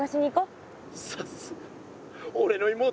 さすがおれの妹！